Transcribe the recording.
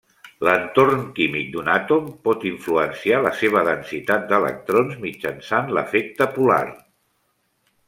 L'entorn químic d'un àtom pot influenciar la seva densitat d'electrons mitjançant l'efecte polar.